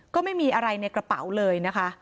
ก็ไม่มีอะไรในกระเป๋าเลยนะคะ